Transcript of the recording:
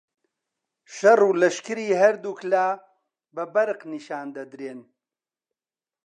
شەڕ و لەشکری هەردووک لا بە بەرق نیشان دەدرێن